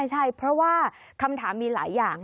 ใช่เพราะว่าคำถามมีหลายอย่าง